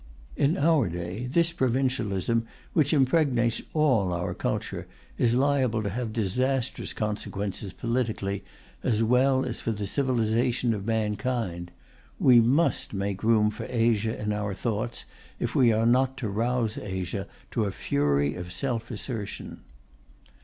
In our day, this provincialism, which impregnates all our culture, is liable to have disastrous consequences politically, as well as for the civilization of mankind. We must make room for Asia in our thoughts, if we are not to rouse Asia to a fury of self assertion.